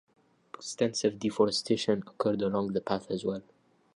Extensive deforestation occurred along the path as well.